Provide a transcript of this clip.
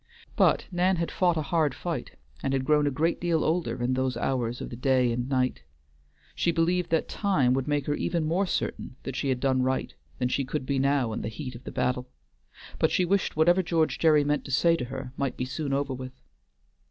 But Nan had fought a hard fight, and had grown a great deal older in those hours of the day and night. She believed that time would make her even more certain that she had done right than she could be now in the heat of the battle, but she wished whatever George Gerry meant to say to her might be soon over with.